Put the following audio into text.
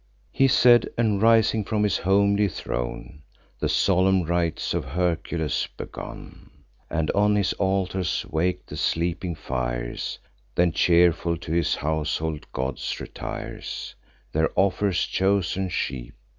He said, and, rising from his homely throne, The solemn rites of Hercules begun, And on his altars wak'd the sleeping fires; Then cheerful to his household gods retires; There offers chosen sheep.